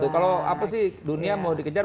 kalau apa sih dunia mau dikejar